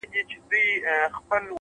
هره ناکامي د نوې هڅې دروازه ده؛